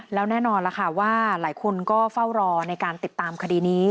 แล้วแน่นอนล่ะค่ะว่าหลายคนก็เฝ้ารอในการติดตามคดีนี้